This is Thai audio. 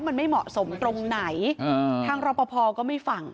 มันไม่เหมาะสมตรงไหนทางรอปภก็ไม่ฟัง